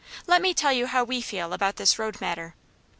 Let me tell you how we feel about this road matter.